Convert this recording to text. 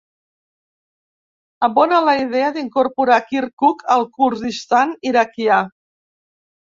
Abona la idea d'incorporar Kirkuk al Kurdistan Iraquià.